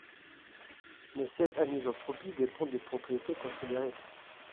Mais cette anisotropie dépend des propriétés considérées.